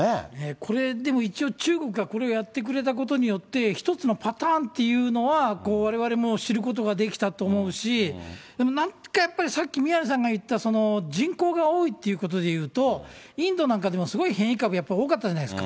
これ、でも一応、中国がこれをやってくれたことによって、１つのパターンっていうのはわれわれも知ることができたと思うし、なんかやっぱり、さっき宮根さんが言った、人口が多いということでいうと、インドなんかでもすごい変異株、やっぱ多かったじゃないですか。